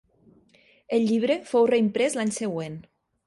El llibre fou reimprès l'any següent.